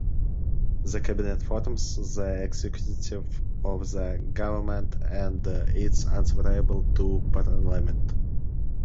The cabinet forms the executive of the government and it is answerable to parliament.